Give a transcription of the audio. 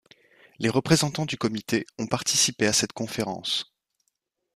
Les représentants du comité ont participé à cette conférence.